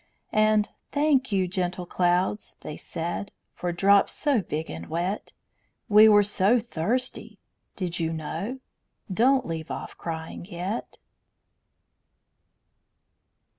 And "Thank you, gentle clouds," they said, "For drops so big and wet; We were so thirsty. Did you know? Don't leave off crying yet."